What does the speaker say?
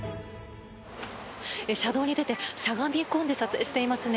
車道に出てしゃがみ込んで撮影していますね。